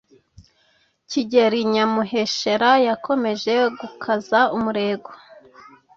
Kigeli Nyamuheshera yakomeje gukaza umurego